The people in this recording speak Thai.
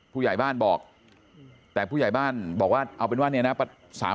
ผู้ใหญ่บ้านบอกแต่ผู้ใหญ่บ้านบอกว่าเอาเป็นว่าเนี่ยนะ